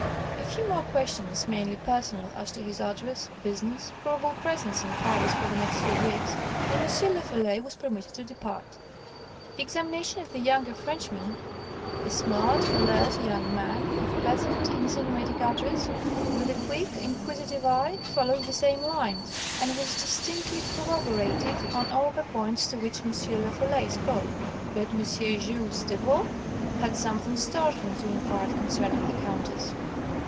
A few more questions, mainly personal, as to his address, business, probable presence in Paris for the next few weeks, and M. Lafolay was permitted to depart. The examination of the younger Frenchman, a smart, alert young man, of pleasant, insinuating address, with a quick, inquisitive eye, followed the same lines, and was distinctly corroborative on all the points to which M. Lafolay spoke. But M. Jules Devaux had something startling to impart concerning the Countess.